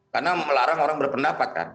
karena melarang orang berpendapat kan